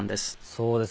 そうです。